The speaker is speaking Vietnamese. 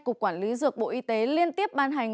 cục quản lý dược bộ y tế liên tiếp ban hành